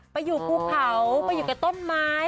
ไปอยู่กรุงเผาไปอยู่กับต้มไม้